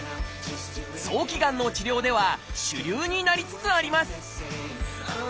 早期がんの治療では主流になりつつあります